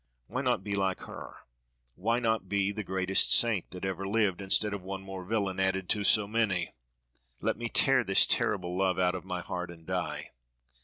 Why not be like her, why not be the greatest saint that ever lived, instead of one more villain added to so many? Let me tear this terrible love out of my heart and die.